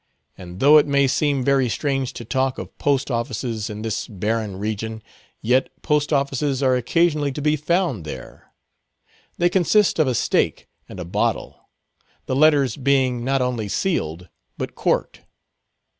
And though it may seem very strange to talk of post offices in this barren region, yet post offices are occasionally to be found there. They consist of a stake and a bottle. The letters being not only sealed, but corked.